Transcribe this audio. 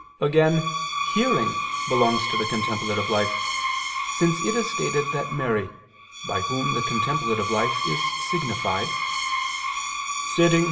Again, "hearing" belongs to the contemplative life: since it is stated that Mary (by whom the contemplative life is signified) "sitting